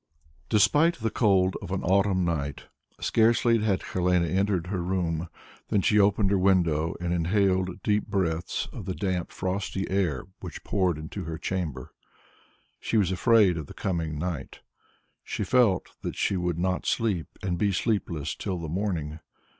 IV Despite the cold of an autumn night, scarcely had Helene entered her room than she opened her window and inhaled deep breaths of the damp frosty air which poured into her chamber. She was afraid of the coming night. She felt that she would not sleep and be sleepless till the morning.